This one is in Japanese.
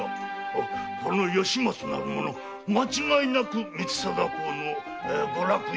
この吉松なる者間違いなく光貞公の御落胤。